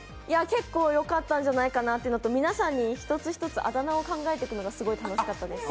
結構良かったんじゃないかなと思うのと皆さんに一つ一つあだ名を考えていくのが楽しかったです。